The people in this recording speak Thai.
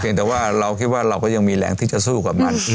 แต่ว่าเราคิดว่าเราก็ยังมีแรงที่จะสู้กับมัน